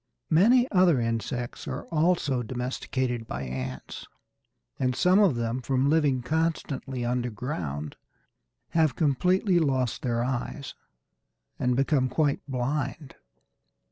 Many other insects are also domesticated by ants, and some of them, from living constantly underground, have completely lost their eyes and become quite blind.